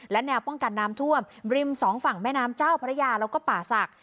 และแนวป้องกันน้ำท่วมริมสองฝั่งแม่น้ำเจ้าพระยาแล้วก็ป่าศักดิ